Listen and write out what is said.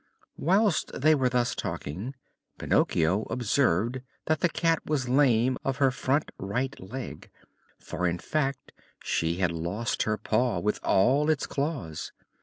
Whilst they were thus talking Pinocchio observed that the Cat was lame of her front right leg, for in fact she had lost her paw with all its claws.